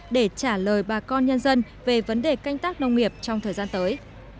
để trả lời bà con nhân dân về vấn đề canh tác nông nghiệp trong thời gian tới